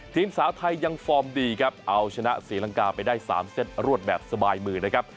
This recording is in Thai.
สาวไทยยังฟอร์มดีครับเอาชนะศรีลังกาไปได้๓เซตรวดแบบสบายมือนะครับ